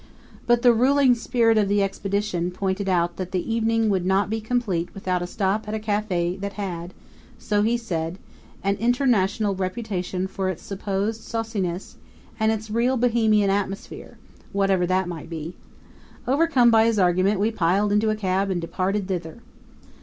But the ruling spirit of the expedition pointed out that the evening would not be complete without a stop at a cafe that had so he said an international reputation for its supposed sauciness and its real Bohemian atmosphere, whatever that might be. Overcome by his argument we piled into a cab and departed thither.